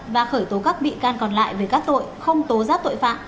và khởi tố các bị can còn lại về các tội không tố giác tội phạm